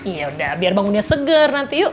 yaudah biar bangunnya seger nanti yuk